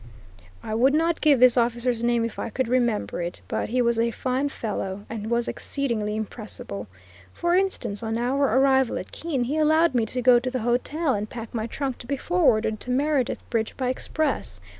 I would not give this officer's name if I could remember it, but he was a fine fellow, and was exceedingly impressible. For instance, on our arrival at Keene, he allowed me to go to the hotel and pack my trunk to be forwarded to Meredith Bridge by express.